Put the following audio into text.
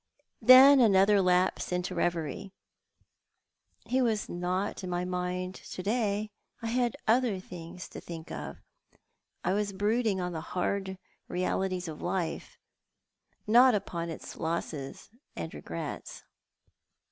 " Then, after another lapse into reverie, "Ho was not in my mind to day. I bad other things to think of. I was brooding on the hard realities of life; not upon its losses and regrets."